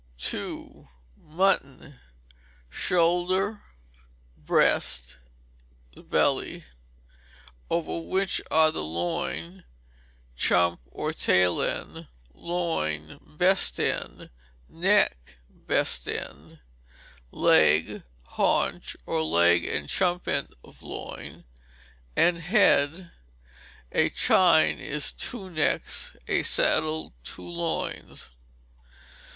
] ii. Mutton. Shoulder; breast (the belly); over which are the loin (chump, or tail end): loin (best end): neck (best end); neck (scrag end); leg; haunch, or leg and chump end of loin; and head. A chine is two necks; a saddle, two loins.